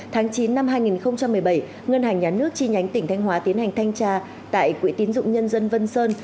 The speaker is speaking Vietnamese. tháng chín năm hai nghìn một mươi bảy ngân hàng nhà nước chi nhánh tỉnh thanh hóa tiến hành thanh tra tại quỹ tín dụng nhân dân vân sơn